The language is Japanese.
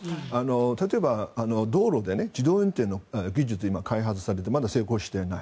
例えば道路で自動運転の技術が今開発されていてまだ成功していない。